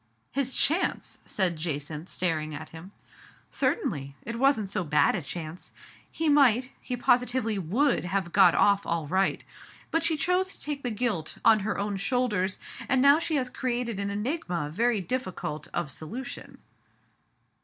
" His chance !" said Jacynth, staring at him. "Certainly; it wasn't so bad a chance. He might, he positively would have got off all right. But she chose to take the guilt on her own shoulders, and now she has created an enigma very difficult of solution."